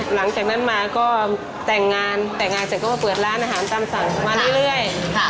หลังจากนั้นมาก็แต่งงานแต่งงานเสร็จก็มาเปิดร้านอาหารตามสั่งมาเรื่อย